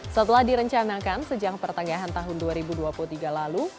setelah direncanakan sejak pertengahan tahun dua ribu dua puluh tiga lalu